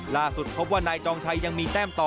ล่าสุดพบว่านายจองชัยยังมีแต้มต่อ